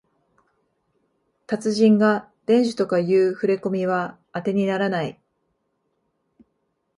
達人が伝授とかいうふれこみはあてにならない